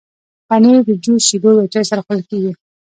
پنېر د جوس، شیدو یا چای سره خوړل کېږي.